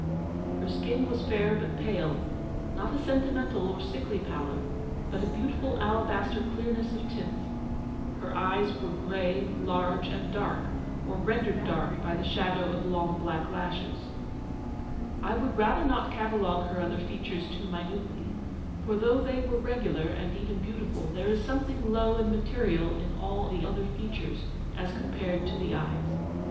Her skin was fair but pale, — not a sentimental or sickly pallor, but a beautiful alabaster clear ness of tint. Her eyes were grey, large, and dark, or rendered dark by the shadow of long black lashes. I would rather not catalogue her other features too minutely; for though they were regular, and even beautiful, there is some thing low and material in all the other features as compared to the eyes.